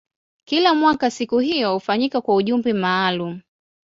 Kila mwaka siku hiyo hufanyika kwa ujumbe maalumu.